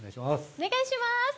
お願いします。